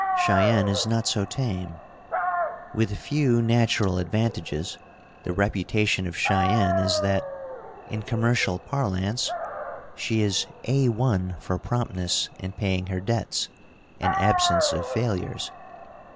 Cheyenne is not so tame. With few natural advantages the reputation of Cheyenne is that, in commercial parlance, she is "A 1" for promptness in paying her debts and absence of failures.